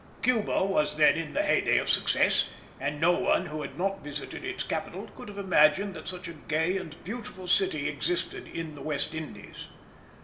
Cuba was then in the heyday of success, and no one who had not visited its capital could have imagined that such a gay and beautiful city existed in the West Indies.